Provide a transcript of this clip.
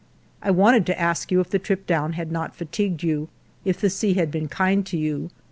" I wanted to ask you if the trip down had not fatigued you, if the sea had been kind to you.